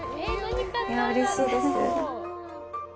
いや、うれしいです。